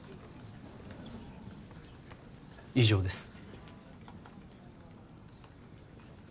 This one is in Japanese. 以上です